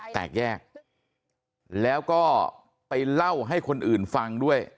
แตกแยกแล้วก็ไปเล่าให้คนอื่นฟังด้วย